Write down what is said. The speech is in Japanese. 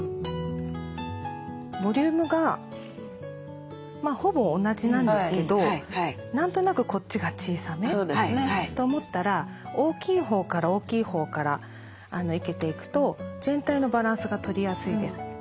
ボリュームがほぼ同じなんですけど何となくこっちが小さめと思ったら大きいほうから大きいほうから生けていくと全体のバランスが取りやすいです。